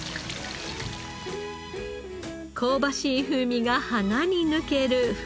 香ばしい風味が鼻に抜けるフリット。